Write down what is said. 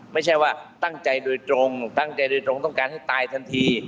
ไม่ใช่ว่าตั้งใจโดยตรงตั้งใจโดยตรงต้องการให้ตายทันที